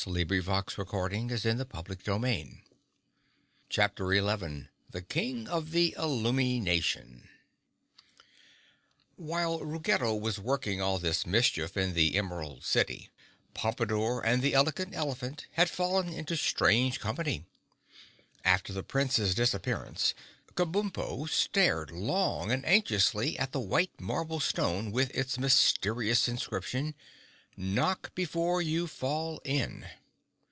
[Illustration: (unlabelled)] [Illustration: (unlabelled)] Chapter 11 The King of The Illumi Nation While Ruggedo was working all this mischief in the Emerald City, Pompadore and the Elegant Elephant had fallen into strange company. After the Prince's disappearance, Kabumpo stared long and anxiously at the white marble stone with its mysterious inscription, "Knock before you fall in."